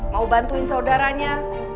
mau bantuin saudaranya